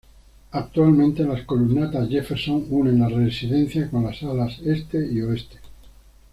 Actualmente las columnatas Jefferson unen la residencia con las Alas Este y Oeste.